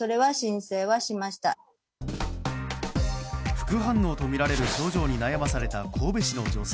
副反応とみられる症状に悩まされた神戸市の女性。